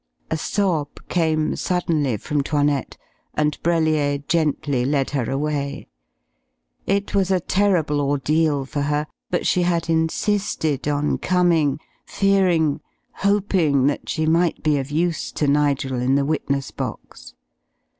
A sob came suddenly from 'Toinette, and Brellier gently led her away. It was a terrible ordeal for her, but she had insisted on coming fearing, hoping that she might be of use to Nigel in the witness box.